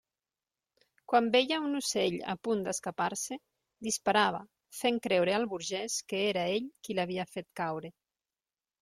Quan veia un ocell a punt d'escapar-se, disparava, fent creure al burgès que era ell qui l'havia fet caure.